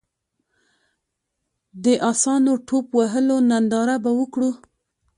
د اسونو ټوپ وهلو ننداره به وکړو.